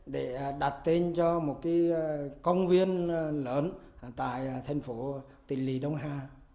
để đặt tên cho một công viên lớn tại thành phố tình lý đông hà